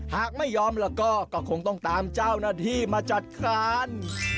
หากไม่ยอมแล้วก็ก็คงต้องตามเจ้าหน้าที่มาจัดการ